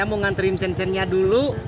saya mau nganterin cincinnya dulu